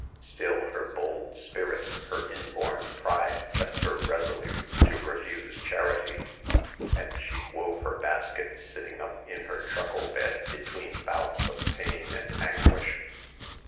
Still, her bold spirit, her inborn pride, kept her resolute to refuse charity ; and she wove her baskets sitting up in her truckle bed, between bouts of pain and anguish.